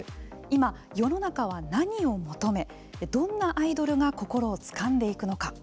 今、世の中は何を求めどんなアイドルが心をつかんでいくのか。